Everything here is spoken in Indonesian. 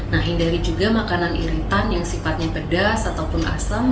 nah hindari juga makanan iritan yang sifatnya pedas ataupun asam